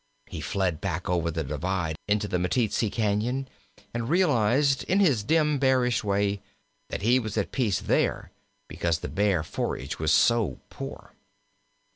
He fled back over the Divide into the Meteetsee Cañon, and realized in his dim, bearish way that he was at peace there because the Bear forage was so poor.